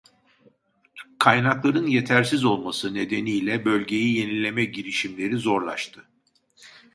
Kaynakların yetersiz olması nedeniyle bölgeyi yenileme girişimleri zorlaştı.